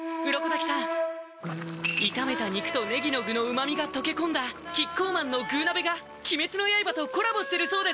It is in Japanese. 鱗滝さん炒めた肉とねぎの具の旨みが溶け込んだキッコーマンの「具鍋」が鬼滅の刃とコラボしてるそうです